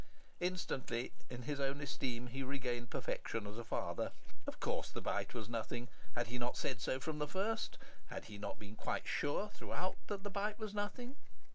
Instantly, in his own esteem, he regained perfection as a father. Of course the bite was nothing! Had he not said so from the first? Had he not been quite sure throughout that the bite was nothing?